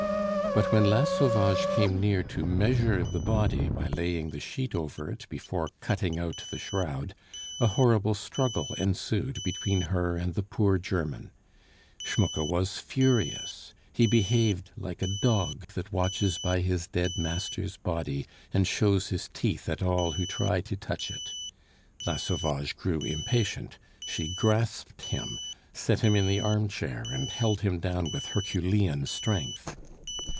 But when La Sauvage came near to measure the body by laying the sheet over it, before cutting out the shroud, a horrible struggle ensued between her and the poor German. Schmucke was furious. He behaved like a dog that watches by his dead master's body, and shows his teeth at all who try to touch it. La Sauvage grew impatient. She grasped him, set him in the armchair, and held him down with herculean strength.